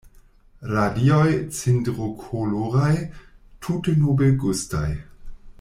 Radioj cindrokoloraj, tute nobelgustaj!